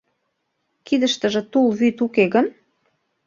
Кидыштыже тул-вӱд уке гын?